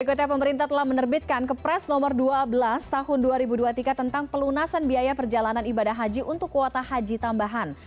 berikutnya pemerintah telah menerbitkan kepres nomor dua belas tahun dua ribu dua puluh tiga tentang pelunasan biaya perjalanan ibadah haji untuk kuota haji tambahan